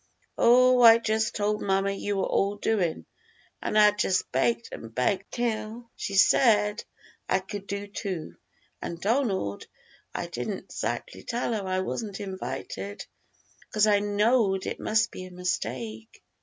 "Oh, I jus' told mamma you were all doin', and I jus' begged and begged till she said I could do too; and, Donald, I didn't zackly tell her I wasn't invited, 'cause I knowed it must be a mistake."